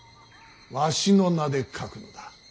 わしの名で書くのだ。